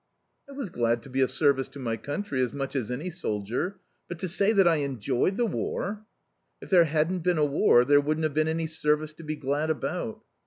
"I was glad to be of service to my country as much as any soldier, but to say that I enjoyed the war " "If there hadn't been a war there wouldn't have been any service to be glad about."